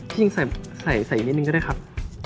ยิงใส่อีกนิดนึงก็ได้ครับ